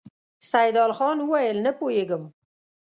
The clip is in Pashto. سيدال خان وويل: نه پوهېږم!